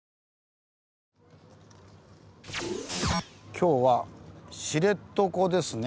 今日は知床ですね。